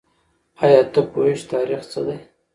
آیا ته پوهېږې چې تاریخ څه دی؟